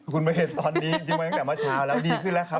คุณมาเห็นตอนนี้จริงมาตั้งแต่เมื่อเช้าแล้วดีขึ้นแล้วครับ